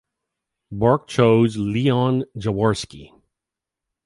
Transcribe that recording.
Bork chose Leon Jaworski.